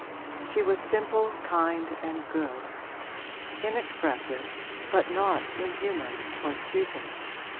She was simple, kind and good; inexpressive but not inhuman or stupid.